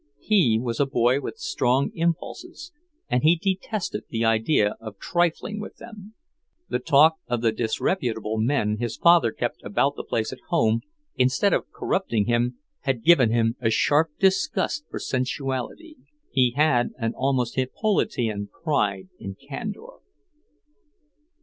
He was a boy with strong impulses, and he detested the idea of trifling with them. The talk of the disreputable men his father kept about the place at home, instead of corrupting him, had given him a sharp disgust for sensuality. He had an almost Hippolytean pride in candour.